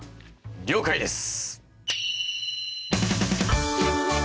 了解です！